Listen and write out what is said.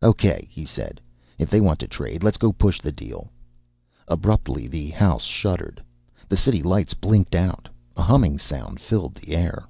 "Okay!" he said. "If they want to trade, let's go push the deal ..." Abruptly, the house shuddered. The city lights blinked out. A humming sound filled the air.